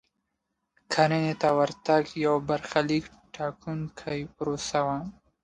کرنې ته د ورتګ یوه برخلیک ټاکونکې پروسه وه.